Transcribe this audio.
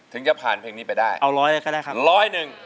ถึงจะผ่านเพลงนี้ไปได้เอาร้อยเลยก็ได้ครับร้อยหนึ่ง